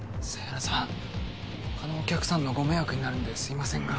犀原さんほかのお客さんのご迷惑になるんですみませんが。